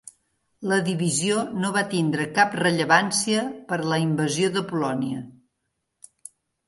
La divisió no va tindre cap rellevància per a la invasió de Polònia.